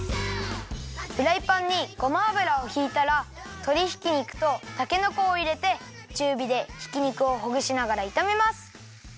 フライパンにごま油をひいたらとりひき肉とたけのこをいれてちゅうびでひき肉をほぐしながらいためます。